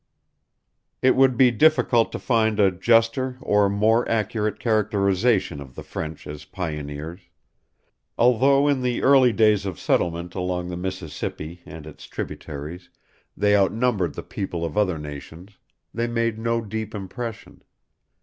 It would be difficult to find a juster or more accurate characterization of the French as pioneers. Although in the early days of settlement along the Mississippi and its tributaries they outnumbered the people of other nations, they made no deep impression.